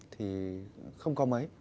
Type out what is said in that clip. thì không có mấy